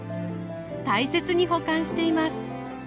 大切に保管しています。